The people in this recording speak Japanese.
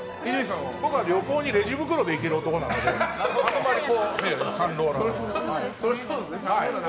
僕は旅行にレジ袋で行ける男なのであんまりサンローランは。